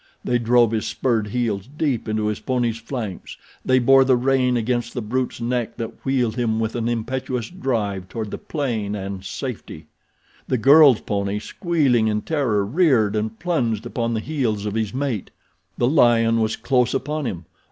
They drove his spurred heels deep into his pony's flanks, they bore the rein against the brute's neck that wheeled him with an impetuous drive toward the plain and safety. The girl's pony, squealing in terror, reared and plunged upon the heels of his mate. The lion was close upon him.